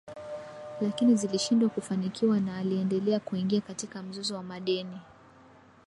lakini zilishindwa kufanikiwa na aliendelea kuingia katika mzozo wa madeni